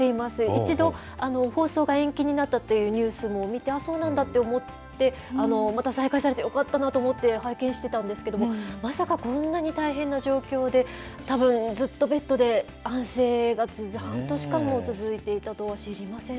一度、放送が延期になったというニュースを見て、ああそうなんだと思って、また再開されてよかったなと思って拝見してたんですけれども、まさかこんなに大変な状況で、たぶんずっとベッドで安静が半年間も続いていたとは知りません